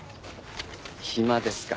暇ですか。